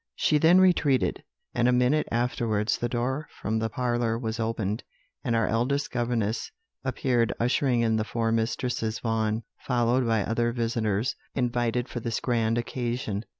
"She then retreated; and a minute afterwards the door from the parlour was opened, and our eldest governess appeared ushering in the four Mistresses Vaughan, followed by other visitors invited for this grand occasion.